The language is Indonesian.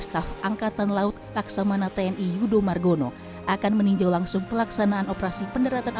staf angkatan laut taksamana tni yudho margono akan meninjau langsung pelaksanaan operasi penderatan